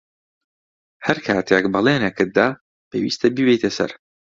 ھەر کاتێک بەڵێنێکت دا، پێویستە بیبەیتە سەر.